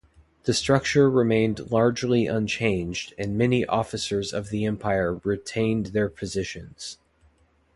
The structure remained largely unchanged and many officers of the Empire retained their positions.